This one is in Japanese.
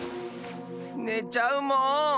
ねちゃうもん。